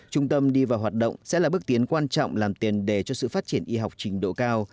trung tâm đi vào hoạt động sẽ là bước tiến quan trọng làm tiền đề cho sự phát triển y học trình độ cao